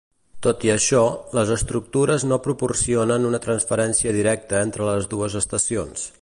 Tot i això, les estructures no proporcionen una transferència directa entre les dues estacions.